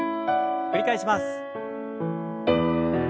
繰り返します。